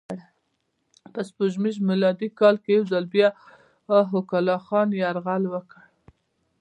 په سپوږمیز میلادي کال یو ځل بیا هولاکوخان یرغل وکړ.